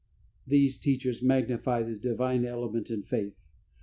These teachers magnify the Divine element in faith.